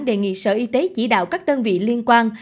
đề nghị sở y tế chỉ đạo các đơn vị liên quan